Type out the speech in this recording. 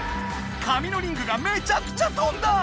紙のリングがめちゃくちゃ飛んだ⁉